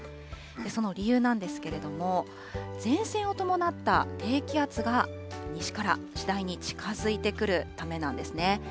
その理由なんですけれども、前線を伴った低気圧が西から次第に近づいてくるためなんですね。